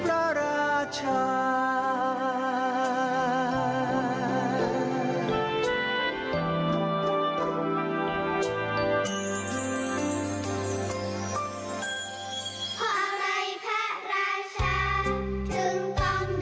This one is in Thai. เพราะอะไรพระราชาถือแผนที่เอาไว้